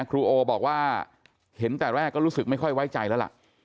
ครูโอบอกว่าเห็นแต่แรกก็รู้สึกไม่ค่อยไว้ใจแล้วล่ะ